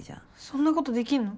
そんなことできんの？